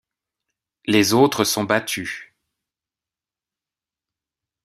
Les autres sont battus.